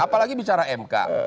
apalagi bicara mk